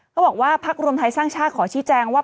บอกว่าพักรวมไทยสร้างชาติขอชี้แจงว่า